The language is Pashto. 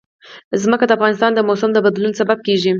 ځمکه د افغانستان د موسم د بدلون سبب کېږي.